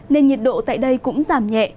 nền nhiệt độ tại đây cũng giảm nhẹ